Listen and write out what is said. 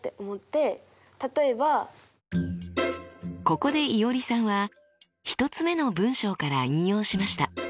ここでいおりさんは１つ目の文章から引用しました。